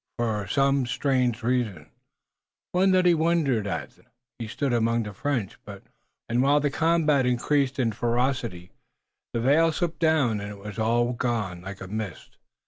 For some strange reason, one that he wondered at then, he stood among the French, but while he wondered, and while the combat increased in ferocity the veil slipped down and it was all gone like a mist.